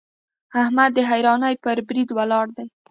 احمد د حيرانۍ پر بريد ولاړ دی.